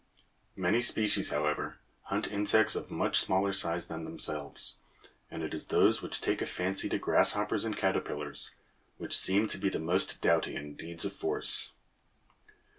Many species, however, hunt insects of much smaller size than themselves, and it is those which take a fancy to grasshoppers and caterpillars which seem to be the most doughty in deeds of force.